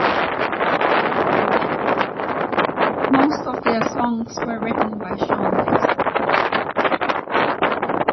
Most of their songs were written by Sean Dickson.